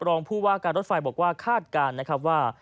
รองผู้ว่าการรถไฟบอกว่าคาดการณ์นะครับว่า